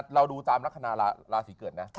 เราดูตามลักษณะราศีเกิดนะ